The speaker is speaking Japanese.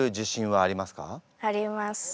あります。